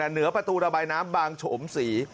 เหนือประตูระบายน้ำบางโฉมศรี